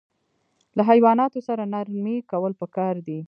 له حیواناتو سره نرمي کول پکار دي.